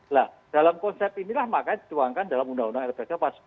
nah dalam konsep inilah makanya dituangkan dalam undang undang lpsk pasal sepuluh